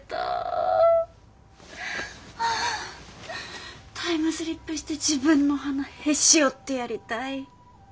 あタイムスリップして自分の鼻へし折ってやりたい。